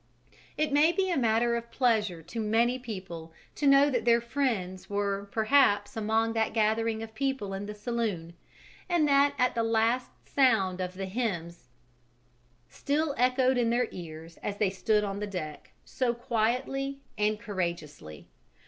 It may be a matter of pleasure to many people to know that their friends were perhaps among that gathering of people in the saloon, and that at the last the sound of the hymns still echoed in their ears as they stood on the deck so quietly and courageously.